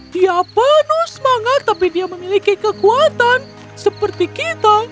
dia penuh semangat tapi dia memiliki kekuatan seperti kita